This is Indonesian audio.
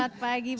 selamat pagi bapak